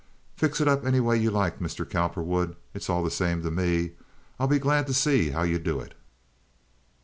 "Fix it up any way you like, Mr. Cowperwood. It's all the same to me. I'll be glad to see how yer do it."